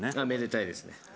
めでたいですね。